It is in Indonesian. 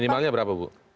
minimalnya berapa bu